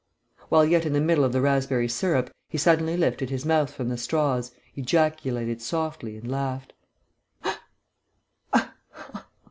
While yet in the middle of the raspberry syrup he suddenly lifted his mouth from the straws, ejaculated softly, and laughed.